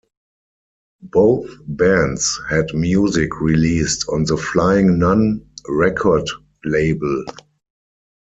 Both bands had music released on the Flying Nun record label.